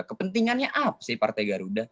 kepentingannya apa sih partai garuda